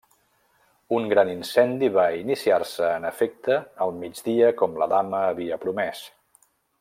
Un gran incendi va iniciar-se en efecte al migdia com la dama havia promès.